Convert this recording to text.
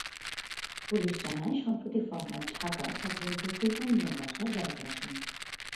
Police জানায়, সম্প্রতি ফরহাদ ঢাকায় তাঁর বন্ধু সুলতান মিয়ার বাসায় বেড়াতে আসেন।